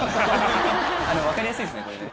分かりやすいですねこれね。